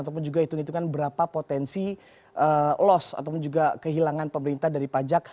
ataupun juga hitung hitungan berapa potensi loss ataupun juga kehilangan pemerintah dari pajak